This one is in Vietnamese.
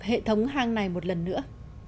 hệ thống hang này một lần nữa